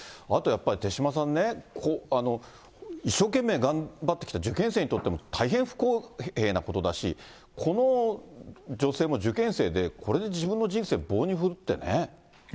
あとやっぱり、手嶋さんね、一生懸命頑張ってきた受験生にとっても、大変不公平なことだし、この女性も受験生で、これで自分の人生棒に振るってね。